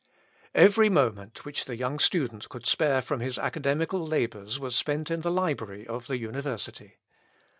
Every moment which the young student could spare from his academical labours was spent in the library of the university.